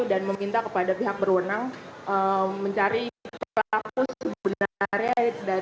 dan meminta kepada pihak berwenang mencari pelaku sebenarnya